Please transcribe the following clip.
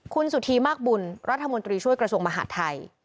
คุณสุธีมากบุญรัฐมนตรีช่วยกระทรวงมหาดไทย